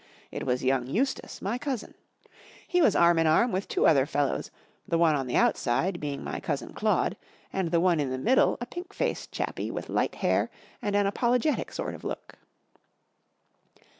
It was young Eustace, my cousin. He was arm in arm with two other fellows, the one bn the outside being my cousin Claude and the one in the middle a pink faced chappie with light hair and an apologetic sort of look.